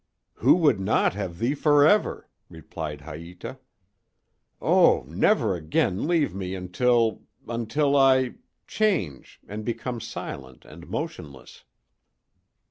"Who would not have thee forever?" replied Haïta. "Oh! never again leave me until—until I—change and become silent and motionless."